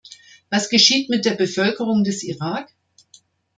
Was geschieht mit der Bevölkerung des Irak?